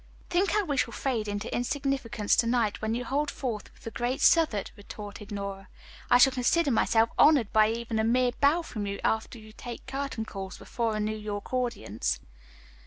"Think how we shall fade into insignificance to night when you hold forth with the great Southard," retorted Nora. "I shall consider myself honored by even a mere bow from you, after you have taken curtain calls before a New York audience."